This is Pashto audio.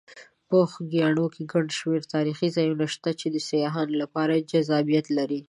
په خوږیاڼي کې ګڼ شمېر تاریخي ځایونه شته چې د سیاحانو لپاره جذابیت لري.